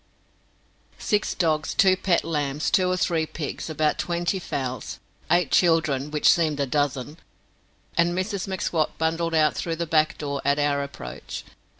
Six dogs, two pet lambs, two or three pigs, about twenty fowls, eight children which seemed a dozen, and Mrs M'Swat bundled out through the back door at our approach.